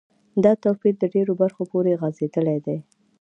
دا توپیر د ډیرو برخو پوری غځیدلی دی.